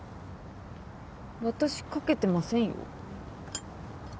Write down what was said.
私かけてませんよ。